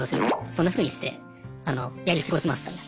そんなふうにしてやり過ごしましたね。